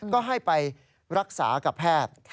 ก็ให้ไปรักษากับแพทย์